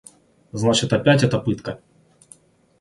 Значит, опять эта пытка!